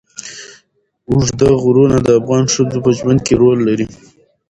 اوږده غرونه د افغان ښځو په ژوند کې رول لري.